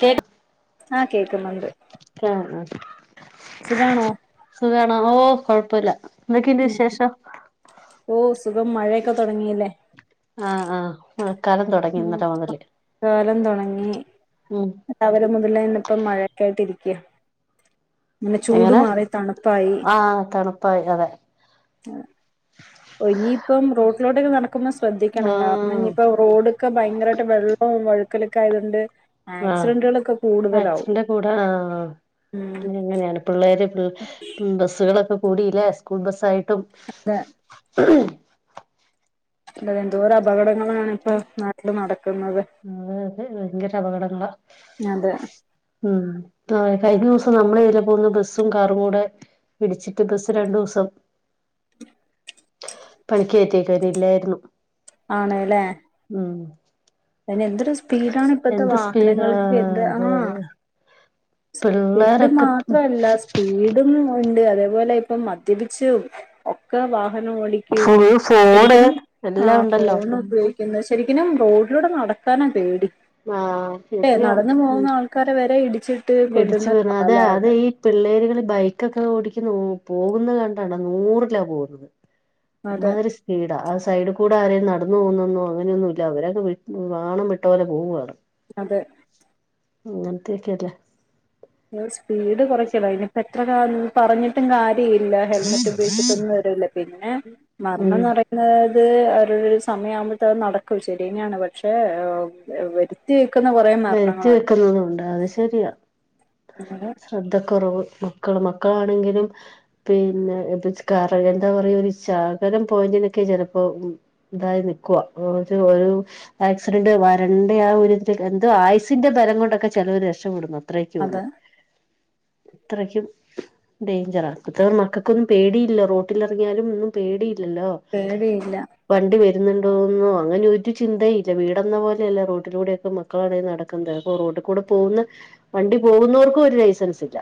കേ ആഹ് കേൾക്കുന്നുണ്ട് സുഖണോ? ഓ കൊഴപ്പമില്ല. എന്തൊക്കെന്റെ വിശേഷം? ഇപ്പം മഴയൊക്കെ തുടങ്ങിയില്ലേ? ആഹ് ആഹ് അഹ് ഉം മഴകാലം തുടങ്ങി. ഉം രാവിലെ മുതലനെ മഴൊക്കായിട്ട് ഇരിക. അങ്ങനെ ചൂട് എങ്ങനെ മാറി തണുപ്പായി. ആഹ് തണുപ്പായി അതെ ആഹ് പ്പ ഇനിയിപ്പം റോട്ടിലോട്ടൊക്കെ നടക്കുമ്പോ ശ്രദ്ധിക്കണം കാരണം ആഹ് ഇനിയിപ്പ റോഡൊക്കെ ഭയങ്കരമായിട്ട് വെള്ളവും പഴുക്കലൊക്കെ ആയതൊണ്ട് ആഹ് ആക്സിഡന്റ് കൂടെ ആഹ് ഉം എങ്ങനെയാണ് പിള്ളേര് ഉം ബസ്സുകളൊക്കെ കൂടില്ലേ സ്കൂൾ ബസ്സായിട്ടും അത് എന്തോര അപകടങ്ങളാണ് ഇപ്പോ നാട്ടില് നടക്കുന്നത് അപകടങ്ങള അതെ ആഹ് കഴിഞ്ഞ ദിവസം നമ്മള ഇതില പോകുന്ന ബസ്സും കാറും കൂടെ ഇടിച്ചിട്ട് ബസ് രണ്ടു ദിവസം പണക്ക്യറ്റക്കാന ഇല്ലായിരുന്നു ആണ്ല്ലേ ഉം അതിന് എന്തൊരു സ്പീഡാണ് ഇപ്പത്തെ എന്ത് സ്പീഡാ വാഹനങ്ങൾക്ക് എന്ത് അതെ ആഹ് അതെ സ്പീഡ് പിള്ളേരൊക്കെ മാത്രല്ല സ്പീഡും അതേപോലെ ഇപ്പ മദ്യപിച്ചും ഒക്കെ വാ ഓടിക്കും ഫുൾ ഫോണ് ശരിക്കിനും എല്ലാം ആഹ് ഉണ്ടല്ലോ ഫോൺ ഫോണ് ഉപയോഗിക്കുന്നത് ശരി ഇനും റോഡിലൂടെ നടക്കാനാ പേടി ആഹ് ശരിയാ നടന്നു ഉം പോകുന്ന ആൾക്കാരെ വരെ ഇടിച്ചിട്ട് ഇടിച്ചു കൊല്ലുന്ന വീണ് അതെ അത് കാലാണ് ഈ പിള്ളേരുകള് ബൈക്കൊക്കെ ഓടി നോ പോകുന്നത് കണ്ടാണ് നൂറിലാ പോകുന്നത് അതെ അമാതിരി സ്പീഡ സൈഡ് കൂടെ ആരെലും നടന്ന് പോകന്നന്നോ അങ്ങനെയൊന്നു ഇല്ല അവരങ്ങനെ വാണം വിട്ട പോലെ പോവുആണ് അതെ ങ്ങൻതെകല്ലേ സ്പീഡ് കുറക്ക ഇനിപ്പ എത്ര പറഞ്ഞിട്ടും കാര്യ [unintelligible] ഇല്ല ഹെൽമെറ്റ് ഉപയോഗിച്ചിട്ടൊന്നും വരല്ല പിന്നെ ഉം മരണംന്ന് പറയുന്നത് അത് അവരവരുടെ സമയം ആവുമ്പോഴത്തെ അത് നടക്കും ശരിന്നെയാണ് പക്ഷേ വരുത്തി ക്കുന്ന കുറേ വരുത്തി വെക്കുന്നതുണ്ട് അത് മരണങ്ങളുണ്ട് കുറവ് മക്കൾ മക്കളാണെങ്കിലും പിന്നെ [unintelligible] എന്താ പറ പോയിന്റിനൊക്കെ ചിലപ്പോ ഇതായി നിക്കുവാ ഒരു ആക്സിഡന്റ് വര ണ്ടെ ആ ഒരു എന്തോ ആയുസിന്റെ ബലം കൊണ്ടൊക്കെ ചെലവർ രക്ഷപ്പെടുന്നു അതെ അത്രയൊക്കെള്ളു ഇത്രയ്ക്കും ഡേഞ്ചറാ ഇപ്പൊത്തെ മക്കൾക്കൊന്നും പേടിയില്ല റോട്ടിൽലിറങ്ങിയാലും ഒന്നും പേടിയില്ല ോ പേടിയില്ല വണ്ടി വ [unintelligible] അങ്ങനെ ഒരു ചിന്തയില്ല വീടന്ന പോലെയല്ല റോട്ടിലൂടെയൊക്കെ മക്കളാണ നടക്കുന്നത് അപ്പൊ റോഡിൽ കൂടെ പോകുന്ന വണ്ടി പോകുന്നവർക്കും ഒരു ലൈസൻസ് ഇല്ല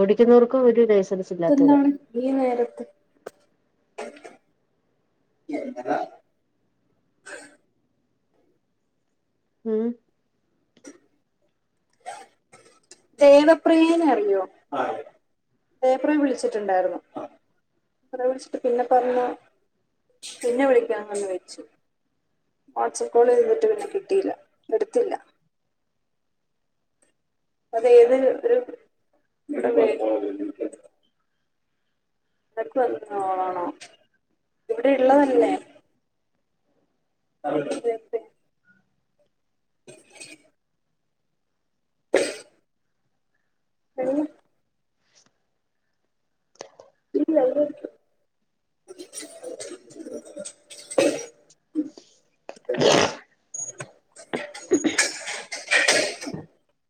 ഓടിക്കുന്നവർക്കും ഒരു ലൈസൻസ് ഇല്ലാത്തവരാ അെന്താണ് ഈ നേരത്ത് എന്ത ആം ദേവപ്രിയേനെ അറിയോ പേപ്പറ വിളിച്ചിട്ടുണ്ടായിരുന്നു റ വിളിച്ചിട്ട് പിന്നെ പറഞ്ഞ പിന്നെ വിളിക്കാന്ന് പറഞ്ഞു വെച്ചു വാട്സപ്പ് കോള് ചെയ്തിട്ട് പിന്നെ കിട്ടിയില്ല എടുത്തില്ല അത ഏത് ഒരു ഇടെ അതൊക്കെ വന്ന ോളണോ ഇവിടെ ഉള്ളതല്ലേ [unintelligible] [unintelligible] എ ഇല്ല [unintelligible] [unintelligible]